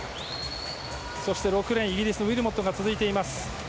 そして６レーン、イギリスのウィルモットが続きます。